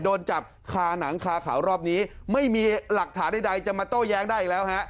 โดนจับคาหนังคาขาวรอบนี้ไม่มีหลักฐานใดจะมาโต้แย้งได้อีกแล้วฮะ